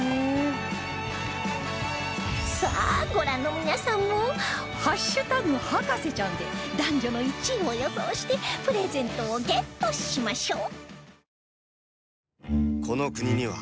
さあご覧の皆さんも「＃博士ちゃん」で男女の１位を予想してプレゼントをゲットしましょう